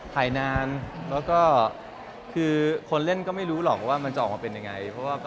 ถ่ายนานแล้วก็คือคนเล่นก็ไม่รู้หรอกว่ามันจะออกมาเป็นยังไง